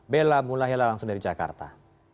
bella mulai lah langsung dari jakarta